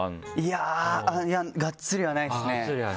いやぁがっつりはないですね。